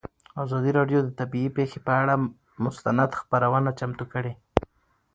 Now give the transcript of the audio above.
ازادي راډیو د طبیعي پېښې پر اړه مستند خپرونه چمتو کړې.